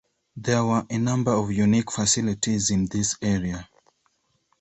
There were a number of unique facilities in this area.